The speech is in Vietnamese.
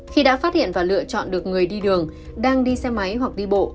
khi đã phát hiện và lựa chọn được người đi đường đang đi xe máy hoặc đi bộ